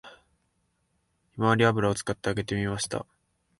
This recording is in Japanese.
ひまわり油を使って揚げてみました